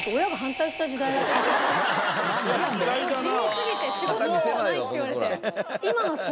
「地味すぎて仕事なんかない」って言われて。